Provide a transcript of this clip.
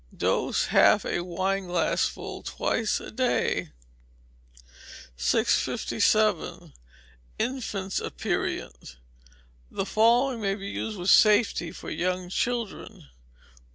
Dose, half a wineglassful twice a day. 657. Infants' Aperient. The following may be used with safety for young children.